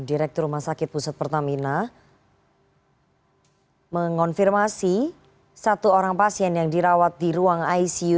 direktur rumah sakit pusat pertamina mengonfirmasi satu orang pasien yang dirawat di ruang icu